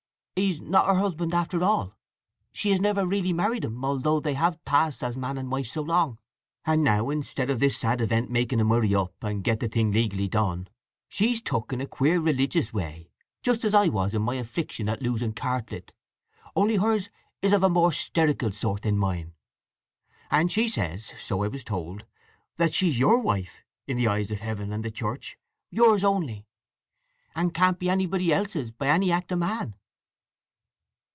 "He's not her husband, after all. She has never really married him although they have passed as man and wife so long. And now, instead of this sad event making 'em hurry up, and get the thing done legally, she's took in a queer religious way, just as I was in my affliction at losing Cartlett, only hers is of a more 'sterical sort than mine. And she says, so I was told, that she's your wife in the eye of Heaven and the Church—yours only; and can't be anybody else's by any act of man."